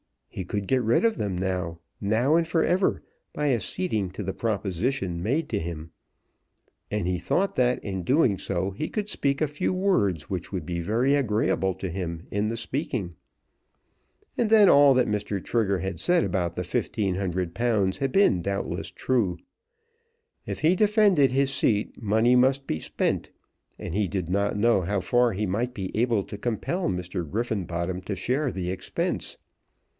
He could get rid of them now, now and for ever, by acceding to the proposition made to him. And he thought that in doing so he could speak a few words which would be very agreeable to him in the speaking. And then all that Mr. Trigger had said about the £1,500 had been doubtless true. If he defended his seat money must be spent, and he did not know how far he might be able to compel Mr. Griffenbottom to share the expense.